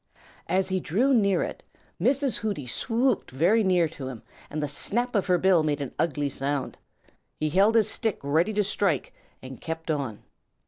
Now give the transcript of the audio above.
As he drew near it, Mrs. Hooty swooped very near to him, and the snap of her bill made an ugly sound. He held his stick ready to strike and kept on.